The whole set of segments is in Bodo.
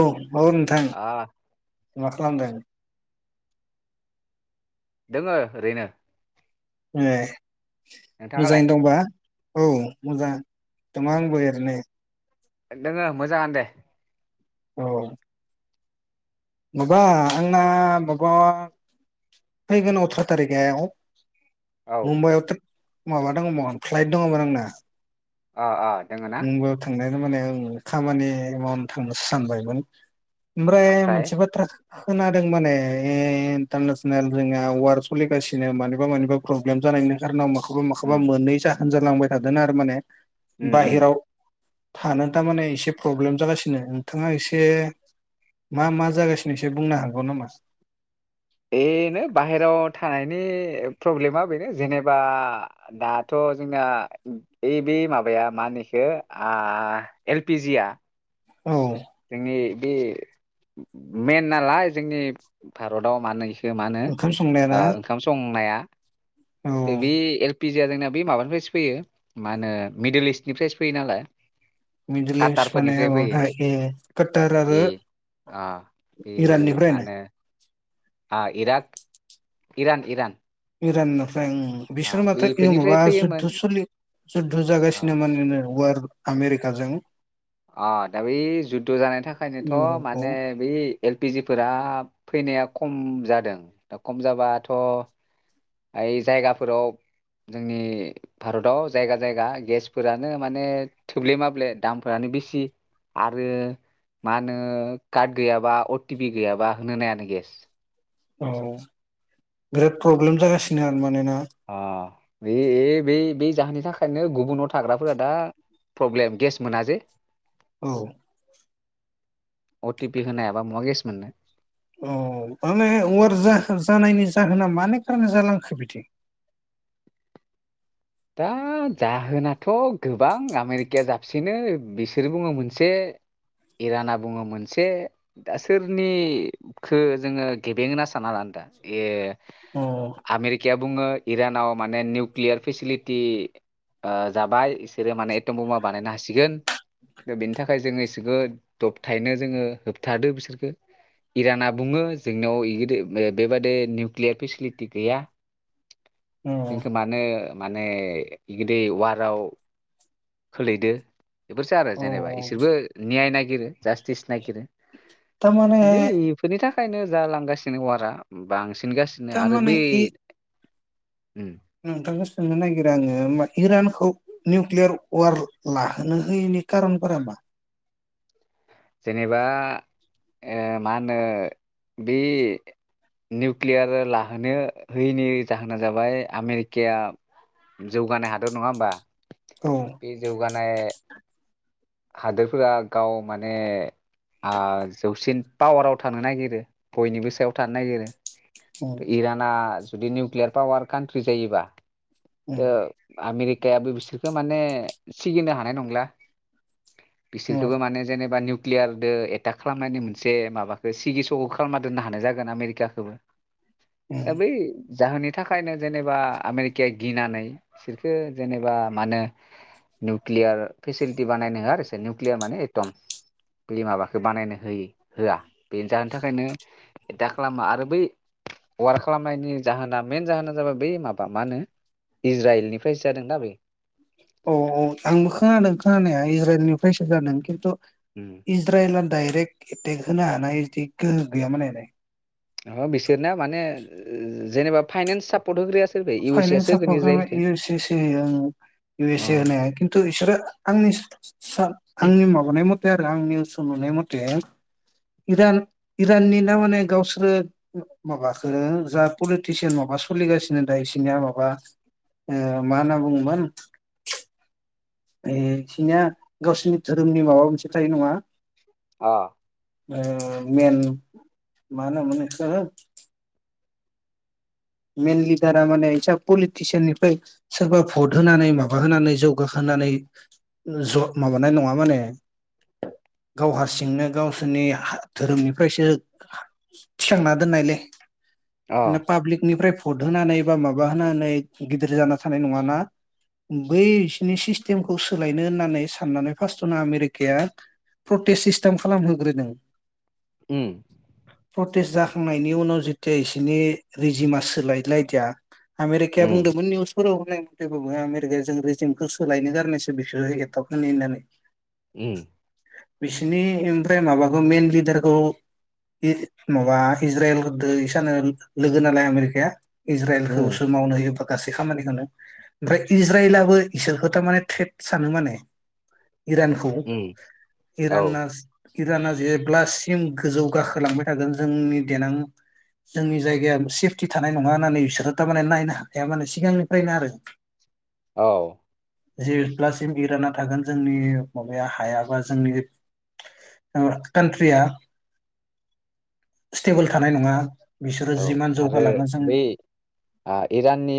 औ औ नोंथां आ मा खालामदों दोङो ओरैनो ए नोंथाङालाय मोजाङैनो दंबा औ मोजां दङो आंबो एरैनो दोङो मोजाङानो दे औ माबा आंना माबा फैगोन अथ्र' थारिगे औ मुमबाइआव था माबा दङमोन फ्लाइट दङमोन आंना अ आ मुमबायाव थांनाय माने आङो खामानि मावनो थांनोसो सानबायमोन ओमफ्राय मोनसे बाथ्रा खोनादों माने इन्टारनेसनेल जोंना वार सोलिगासिनो मानिबा मानिबा प्रब्लेम जानायनि खारनाव मा खौबा माबा उम मोननै जा जालांबाय थादों आरो माने उम उम बाहेराव थानो टामाने एसे प्रब्लेम जागासिनो नोंथाङा एसे मा मा जागासिनो एसे बुंनो हागौ नामा बेनो बाहेरायाव थानायनि प्रब्लेमा बेनो जेनेबा दाथ' जोंना इ बे माबाया माानोइखो एलपिजिया औ जोंनि बे मेन नालाय जोंनि भारताव मानो मा होनो ओंखाम संनायाना ओ ओंखाम संनाया औ बे एल पिजिया जोंना बे माबानिफ्रायसो फैयो मा होनो मिडोल इस्टनिफ्रायसो फैयो नालाय मिडलिस माने काटारफोरनिफ्राय फैयो आ कटार ए आरो आ बे मा इराननिफ्रायनो होनो आ इरक इरान इरान इरानो आ बिसोर माथो बेफोरनिफ्राय माबा फैयोमोन जुद्द सोलियो जुद्ध आ जागासिनो मानो वार आमेरिकाजों अ दा बै जुद्ध' जानायनि थाखायनोथ' इउरपआव माने बै एलपिजिफोरा फैनाया खम जादों दा खम जाबाथ' आइ जायगाफोराव जोंनि भारताव जायगा जायगा गेसफोरानो माने थोब्ले माब्ले दामफोरानो बिसि आरो मानो कार्ड गैयाबा अ टि पि गैयाबा होनो नायानो गेस औ बिराद प्रब्लेम जागासिनो आरो मानेना आ बे ए बे बे जाहोननि थाखायनो गुबुनाव थाग्राफोरा दा प्रब्लेम गेस मोन जे औ अ टि पि होनायाबा महा गेश मोननो औ माने अर जाखो जानायनि जाहोना माने खारना जालांखो बिदि दा जाहोनाथ' गोबां आमेरिकाया साबसिनो बिसोर बुङो मोनसे इराना बुङो मोनसे दा सोरनिखो जोङो गेबें होनना सानना लानो दा ए अ आमेरिकाया बुङो इरानाव माने निउकलियार फेसिलि टि ओ जाबाय इसोरो माने एथम बमा बानायनो हासिगोन दा बिनि थाखाय जोङो इसोखो दबथायनो जोङो होबथादो बिसोरखो इराना बुङो जोंनायाव इगिदि ओ बेबादै निउक्लियार फेसिलिटि गैया अ जोंखो मानो माने इगोदै वाराव खोलैदो बेफोरसो आरो अ जेनेबा इसोरबो नियाय नाय गिरो जास्टिस नागिरो थारमाने दै इफोरनि था खायनो जालांगासिनो वारा बांसि नगासिनो आरो थारमाने बे ए उम नोंथांखौ सोंनो नागिरो आङो होमा इरानखौ निउक्लियार वार लाहोनो होयैनि कारनफोरा मा जेनेबा ओ मा होनो बे निउकलियार लाहोनो होयिनि जाहोना जाबाय आमेरिकाया जौगानाय हादर नङा होमबा औ बे जौगानाय हादोरफोरा गाव माने आ जौसिन पावाराव थानो नागिरो बयनिबो सायाव थानो नागिरो उम थ इराना जुदि निउक्लियार पावार कान्ट्रि जायोबा उम थो आमेरि कायाबो बिसोरखो माने सिगिनो हानाय नंला। उम बिसोरखोबो माने जेनेबा निउ क्लियारदो एटाक खालामनायनि मोनसे माबाखो सिगि सग' खालामना दोननो हानाय जागोन आमेरिकाखोबो उम आ बै जाहोननि थाखायनो जेनेबा आमेरिकाया गिनानै बिसोरखो जेनेबा मानो निउकलियार फेसिल थि बानायनो होआ आरो इसोर निउकलियार माने एटम बै माबाखौ बानायनो होयि होआ बेनो जानो थाखायनो दा खालामा आरो बै वार खालामनायनि जाहोना मेन जाहोना जाबाय बै माबा मानो इज्राइलनिफ्रायसो जादोंदा बे औ औ आंबो खोनादों खोनानाया इज्राइल निफ्रायसो जादों खिन्थु। इज्रायेल डायरेक्ट एटेक होनो हानाय इदि गोहो गैयामोन आरो। नबा बिसोरना माने जेनेबा फाइनेन्स सापर्ट होग्रायासो। फाइनेन्स सापर्ट खालामबाय इउ एप सि सि इयो इउ अ एस ए होनाया खिन्थु बिसोरो आंनि सान आंनि माबानाय मथ ओमफाय आरो आं निउसाव नुनाय मथे इरान इराननि ना माने गावसोरो माबाखो जा पलिटिसियान माबा सोलिगासिनो। दा बिसनिया माबा ओ मा होनना बुङोमोन। ओइ खिनिया गावसोरनि धोरोमनि माबा मोनसे थायो नङा? आ ओ मेन मा होनोमोन इखो? मेन लिडारा माने इसा पलिटिसियाननिफ्राय सोरबा भट होनानै माबा होनानै जौगाहोनानै ज' माबानाय नङा माने गाव हारसिंनो गावसोरनि धोरोमनिफ्रायसो थिखांना दोननायलै माने अ पाब्लिक निफ्राय भट होनानै बा माबा होनानै गिदिर जाना थानाय नङाना बै सिनि सिस्टेमखौ सोलायनो होननानै साननानै फार्स्टआवनो आमेरिकाया प्रटेस्ट सिस्टेम खालामहोग्रोदों। उम प्रटेस जाखांनायनि उनाव जितिया इसिनि रिजिमा सोलाय लायदिया आमेरकाया उम बुंदोंमोन निउस फोराव होननाय मथेबाबो आमेरिकाया जों रिेजिमखौ सोलायनो गारनायसो बिसोरो एथाब होनो होननानै उम बिसिनि ओमफ्राय माबाखौ मेन लिडारखौ इ माबा इज्राइल खोदो इसानो लोगो नालाय आमेरिकाया इज्राइलखौसो मावनो होयोबा। गासै खामानिखौनो ओमफ्राय इज्राइलाबो इसोरखौ थारमाने ट्रेट सानो माने। इरानखौ उम औ इराना इराना जेब्लासिम गोजौ गाखोलांबाय थागोन जोंनि देनां जोंनि जाय गाया सेफटि थानाय नङा होननानै बिसोरो थारमाने नायनो हाखाया माने सिगांनिफ्रायनो आरो औ जेब्लासिम इराना थागोन जोंनि माबाया हाया बा जोंनि ओ कान्ट्रिया स्टेबोल थानाय नङा बि औ आरो बै आ इराननि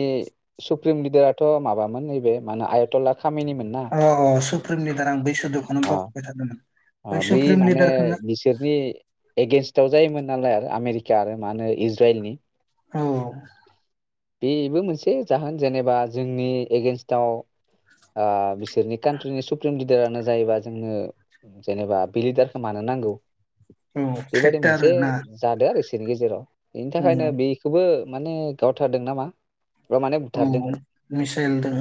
सुप्रिम लिडार थ' माबामोन नैबे माने आयथलाग खामिनिमोन ना फोरनि दारां बेस अ अ बै सुप्रिम माने लिडारखौनो बिसोरनि एगेनस्टआव जायोमोन नालाय आरो आमेरि खिया आरो मा होनो इज्राइलनि औ बे बो मोनसे जाहोन जेनेबा जोंनि एगेेनस्टआव बिसोरनि कान्ट्रिनि सुप्रिम लिडारानो जायोबा जोंनो जेनेबा बे लिडारखौ मानो नांगौ औ बेबायदि थ्रेटार मोनसे ना जादों आरो बिसोरनि गेजेराव बेनि औ थाखायनो बेखौबो माने गाव बुथारदों नामा औ मिसाइलजों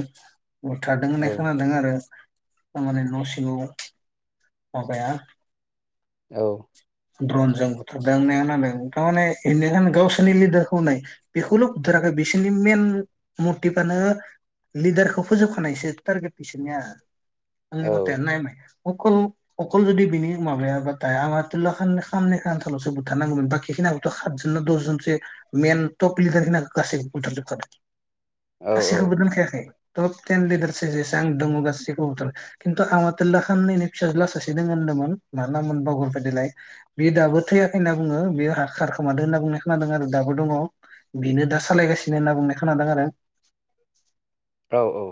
बुथारदों औ होननाय खोनादों आरो थारमाने न' सिङाव माबाया औ द्रनजों बुथारदों [unintelligible] थारमाने [unintelligible] गावसोरनि लिडारखौनाय बेखौल' बुथोराखै बिसोरनि मेन मटिभानो लिडारखौ फोजोबखानायसो टारगेट बिसोरनिया आंनि औ मथे नाय माय अखल अकल जुदि बिनि माबायाबाथाय आ आबुलाननि'सो बुथारनांगौमोन बाखिनिखौथ' सतजन न दस जनसो मेन टप लिडार खिनि गासैबो बुथार औ सासेखौबो दोनखायाखै टप टेन लिडारस जेसो आं दङ गासैखौबोथ' खिन्थु आंहा तल्ला खाननैनि फिसाजो्ला सासे दङ होनदोंमोन मा ना मोन बगरफादलाय बे दाबो थैयाखै होनना बुङो बे खारखोमादोंो होनना बुंनाय खोनादों आरो दाबो दङ बेनो दा सालायगासिनो होनना बुंनाय खोनादों आरो औ औ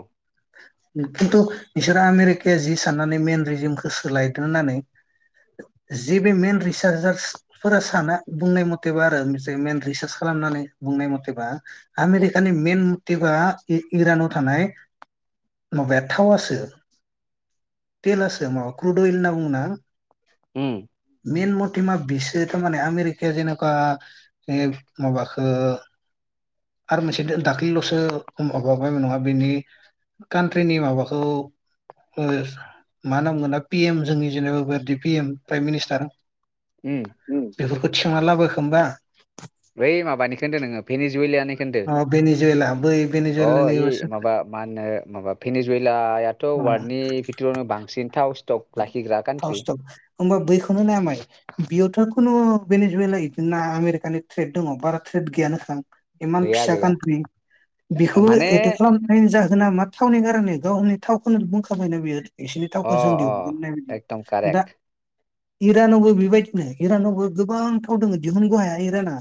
खिन्थु बिसोरो आमेरिकाया जि साननानै मेन रिजमखौ सोलायदों होननानै जे बे मेन रिसार्जार्सफोरा साना बुंनाय मथेबा आरो मेन रिसार्च खालामनानै बुंनाय मथेबा आमेरिकानि मेइन मथेबा इ- इरानाव थानाय माबाया थावासो तेलासो माबा क्रुद अइल होनना बुङो ना उम मेन मतेभा बिसो थारमाने आमेरिकाया जेनेखवा ओ माबाखौ आरो मोनसे दाख्लैल'सो माबाबाय नङा बिनि कान्ट्रिनि माबाखौ ओ मा होनना बुंगोन दा पि एम जोंनि जेनेबा बेबादि पि एम [unintelligible] उम थिंखांना लाबोआखैओमबा बै माबानिखो होनदों नोङो भेनि [unintelligible] खो होनदो बेनिजुवेला बै अ बेनिजुवेलानि ए माबा मा होनो माबा फिनि जुवेलथ' वारडनि बिथोरावनो बांसिन थाव स्टक लाखिग्रा कान्ट्रि ट होमबा बैखौनो नाय माय बेयोथ' खुनु बेनिजुवेला बिदिना आमेरिकानि ट्रेद दङ बारा ट्रेद गैयानोखा इमान गैया फिसा गैया कान्ट्रि बेखौबो माने एटेक खालामनानै जाहोना मा थावनि कारनि गावनि थावखौनो बुंखाबायना बियो एसिनि अ थावखौ जों दिउ अ एकदम [unintelligible] दा कारेक्ट इरानावबो बेबायदिनो इरानावबो गोबांथाव दङ दिहुनग'हाया इराना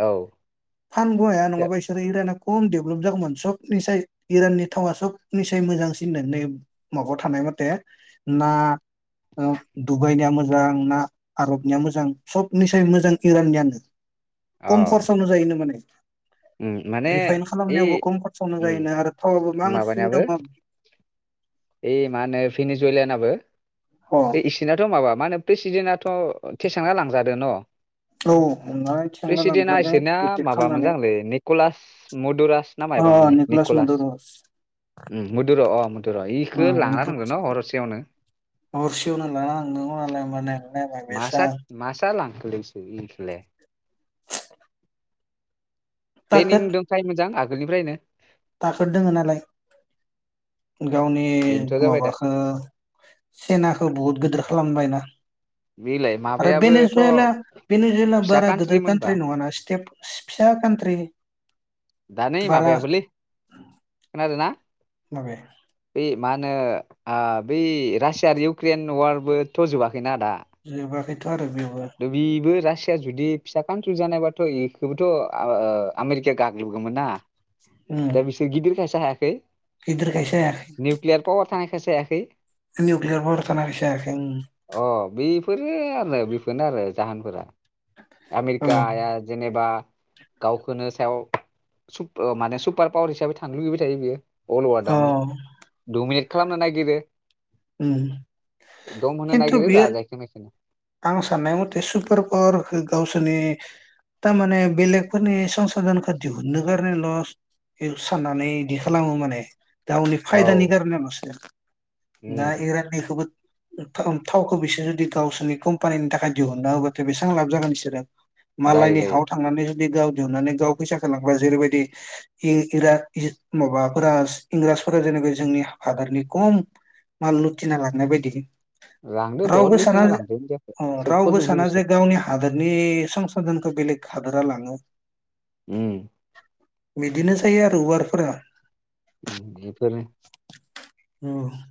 औ फानग' हाया दो- नङाबा इसोरो इराना खम डेभलप जागौमोन सब निसाय इराननि थावा सब निसाय मोजांसिन होन नै माबायाव थानाय माथे ना ओ दुबाइनिया मोजां ना आरबनिया मोजां सबनिसाय मोजां इराननियानो अ खम खरसावनो जायोनो माने उम माने रिफाइन इ खालामनायावबो खम खरसआवनो उम जायोनो आरो थावआबो बांसिन माबानियाबो दङ। ओइ मा होनो फिनिजुवेलानाबो अ बे इसिनाथ' माबा मा होनो प्रेसिडेन्टथ' थेसांना लांजादों न' औ हमनानै थिखांना प्रेसिडेन्टआ लांजादों इसोरना एटेक माबामोन खालामनानै जां लै निक'लास मदुरास ना अ मायबामोनलै निक'लास मदरस ओम मधुर' अ मधुर' इ अ खो लाना थांदों निकलास न हरसेयावनो [inaudible] हरसेयावनो लानां थांदोंबा मालाय नायलाय नायलाय मा साद बेसां मा जालांखोलैसो इखोलाय प्लेनिं दंखायो मोन जां आगो आगोलनिफ्रायनो थागोद दोङो नालाय गावनि बेनोथ' जाबाय दा माबाखौ सेनाखौ बुहुत गिदिर खालामबायना ओं बेलाय आरो माबायाबोथ' बेनोसुइला बेनोजुइला फिसा बारा कान्ट्रि गोदेर मोनबा कन्थ्रि नङाना स्टेप फिस फिसा कान्ट्रि दा नै बारा माबायाबोलै आरोना माबे मा होनो आ बै रासिया आरो इउक्रेन वारबोथ' जोबाखै ना दा जोबाखैथ' आरो बेबो द बेबो रास रासिया जुदि फिसा कान्ट्रि जानायबाथ' बेखौबोथ' ओ आमेरिकाया गाग्लोबगौमोन ना। उम दा बिसोर गिदिर खायसो हाया खै गिदिरखायसो जायाखै निउकलियार पावार थानाय सो हायाखै निउक्लियार पावार थानाय खायसो हायाखै उम अ बेफोरो आरोनो बेफोरनो आरो जाहोनफोरा आमेरिका आ जेनेबा गावखौनो सायाव सुब माने सुब सुपार पावार हिसाबै थानो लुगैबाय थायो बियो अल अवाद औ अ आवनो दमिनेट खालामनो नागिरो उम दम होनो खिनथु नागिरो बियो राजायखो मेखोनो आं साननाय मथे सुपार पावारखो गावसोरनि थारमाने बेलेगफोरनि संसा दानखौ दिहुननो गारननाय लस साननानै इदि खालामो माने गावनि औ फायदानि खारनै ल'सो दा उम इराननिखौबो ओ थाव थावखौ बिसोर जुदि गावसोरनि कम्पानिनि थाखाय दिहुनना होबथाय' बेसेबां लाब जागोन बिसोरो जायो मालायनि जायो हायाव थांनानै जे गाव दिहुननानै गाव फैसाखौ लांबा जेरैबायदि इ इराग इज माबाफोरा इंराजफोरा जेनेब जोंनि हादरनि खम माल लुथिना लांनाय बायदि लांदो बहुत रावबो साना लुथिना जे लांदो इन्डियाखौ सोबख' रावबो जोबदो साना जे बिसोर गावनि हादोरनि संसधनखौ थ' बेलेग हादोरा लाङो उम बिदिनो जायो आरो वारफोरा उम बेफोर नोंनिबा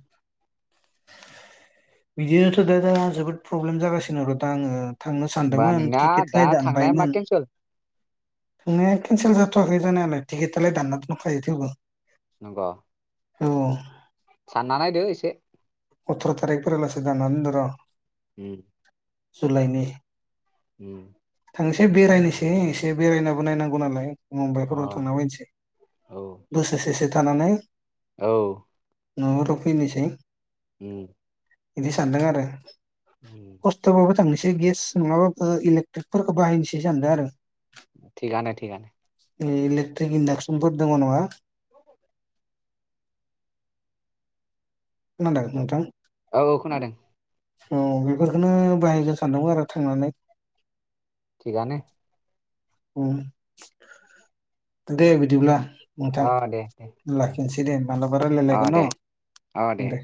बिदिनोथ' दो दा जोबोद प्रब्लेम जागासिनो आरो दा आङो थांनो होमबा सानदोंमोन नोंना दा टिकेटलाय थांनाया मा दानबायमोन केन्सेल थांनाया केन्सेल जाथ'याखै जानायालाय टिकेटालाय दानना दंखायो थेवबो नंग औ साननानै नायदो एसे अत्र तारिख फोरा लासे दानना दोनदों र उम जुलायनि उम थांसै बेरायनोसै एसे बेरायनाबो नायनांगौ नालाय अ मुम्बाइफोराव थांना फैनोसै औ बोसोरसेसो थानानै औ न' फोराव फैनोसै उम इदि सानदों आरो उम खस्थ बुहुद थांनोसै गेस नङाबाबो इलेकट्रिकफोरखौ बाहायनोसै सानदों आरो थिगानो थिगानो इ इलेक्ट्रिक इन्डाक्सनफोर दङ नङा खोनादों नोंथां औ औ खोनादों औ बेफोरखौनो बाहायनो सानदोंमोन आरो थांनानै थिगानो उम दे बिदिब्ला नोंथां अ दे दे लाखिनोसै दे माब्लाबा अ रायलायलायगोन दे न' दे